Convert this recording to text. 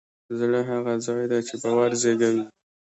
زړه هغه ځای دی چې باور زېږوي.